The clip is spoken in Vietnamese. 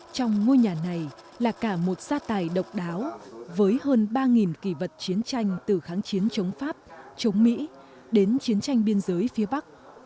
trong ngôi nhà này là cả một gia tài độc đáo với hơn ba kỳ vật chiến tranh từ kháng chiến chống pháp chống mỹ đến chiến tranh biên giới phía bắc